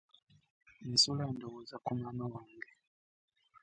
Nsula ndowooza ku maama wange.